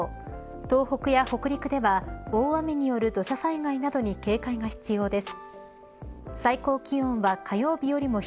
東北や北陸では大雨による土砂災害などに警戒が必要です。